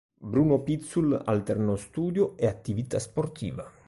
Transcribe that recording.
Bruno Pizzul alternò studio e attività sportiva.